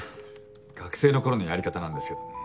学生の頃のやり方なんですけどね。